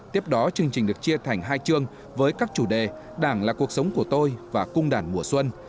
tiếp đó chương trình được chia thành hai chương với các chủ đề đảng là cuộc sống của tôi và cung đàn mùa xuân